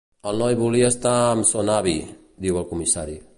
El noi volia estar amb son avi —diu el comissari.